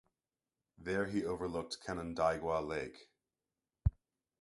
There he overlooked Canandaigua Lake.